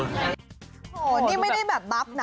โอ้โหนี่ไม่ได้แบบบับนะ